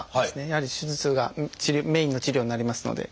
やはり手術がメインの治療になりますので。